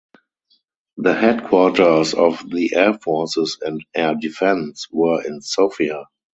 The headquarters of the Air Forces and Air Defence were in Sofia.